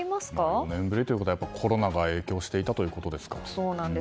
４年ぶりということはコロナが影響していたということでしょうか？